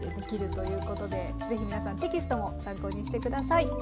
ぜひ皆さんテキストも参考にして下さい。